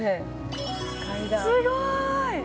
すごーい。